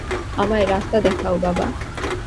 আমায় রাস্তা দেখাও, বাবা।